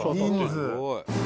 すごい！